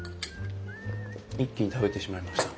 一気に食べてしまいました。